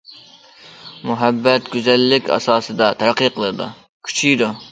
مۇھەببەت گۈزەللىك ئاساسىدا تەرەققىي قىلىدۇ، كۈچىيىدۇ.